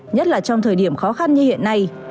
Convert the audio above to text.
nhất là trong thời điểm khó khăn như hiện nay